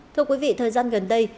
thưa quý vị thời gian gần đây